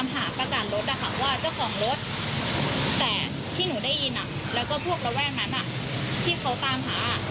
แต่ที่หนูได้ยินและพวกละแวกนั้นที่เขาตามหา